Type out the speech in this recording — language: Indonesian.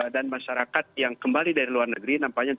dan masyarakat yang kembali dari luar